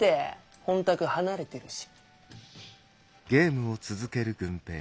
本宅離れてるし。